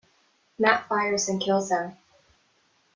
Matt fires and kills him.